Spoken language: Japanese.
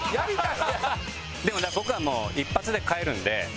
僕はもう一発で帰るんで。